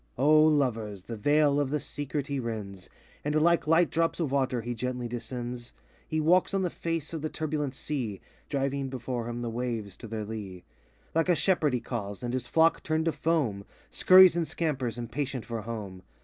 O Lovers, the Veil of the Secret he rends, And like light drops of water, he gently descends. He walks on the face of the turbulent sea, Driving before him the waves to their lee; Like a shepherd he calls, and his flock turned to foam. Scurries and scampers, impatient for home.